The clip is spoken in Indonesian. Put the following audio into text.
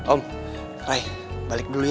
om raih balik dulu ya